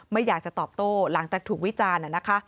ไม่อยากจะตอบโต้หลังจากถูกวิจารณ์นะคะ